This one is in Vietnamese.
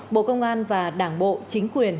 bộ công an và đảng bộ chính quyền